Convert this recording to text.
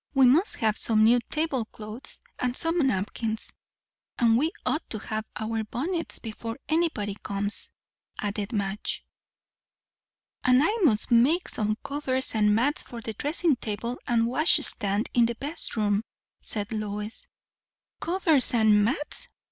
We must have some new tablecloths, and some napkins." "And we ought to have our bonnets before anybody comes," added Madge. "And I must make some covers and mats for the dressing table and washstand in the best room," said Lois. "Covers and mats!